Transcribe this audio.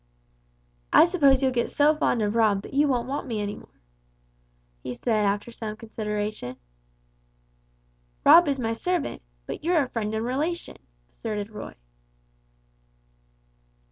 "I suppose you'll get so fond of Rob, that you won't want me any longer," he said, after some consideration. "Rob is my servant, but you're a friend and relation," asserted Roy.